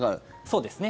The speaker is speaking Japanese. そうですね。